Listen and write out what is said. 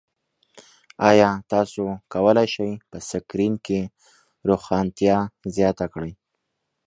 ایا تاسو کولی شئ په سکرین کې روښانتیا زیاته کړئ؟